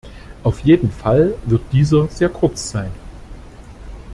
Auf jeden Fall wird dieser sehr kurz sein.